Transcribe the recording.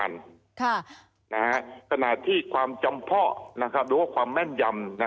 ขณะที่ความจำเพาะหรือว่าความแม่นยำ